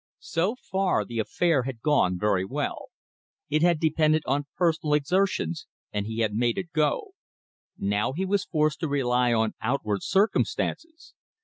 So far the affair had gone very well. It had depended on personal exertions, and he had made it go. Now he was forced to rely on outward circumstances.